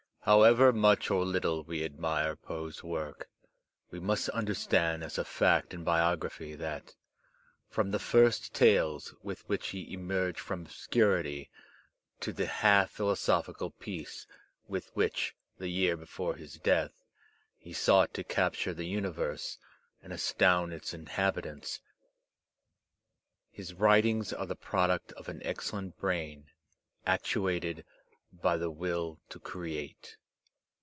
However much or Uttle we admire Poe's work, we must understand as a fact in biography that, from the first tales with which he emerged from obscurity to the half philosophical piece with which, the year before his death, he sought to capture the universe and astound its inhabitants, his writings are the product of an excellent brain actuated by \ the will to create.